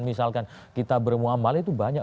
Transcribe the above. misalkan kita bermuamalah ⁇ itu banyak